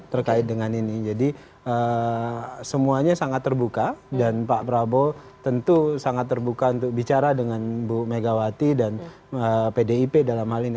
terkait dengan ini jadi semuanya sangat terbuka dan pak prabowo tentu sangat terbuka untuk bicara dengan bu megawati dan pdip dalam hal ini